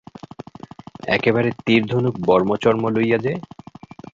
একেবারে তীরধনুক বর্মচর্ম লইয়া যে।